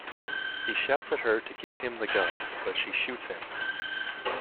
He shouts at her to give him the gun but she shoots him.